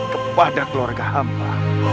kepada keluarga hamba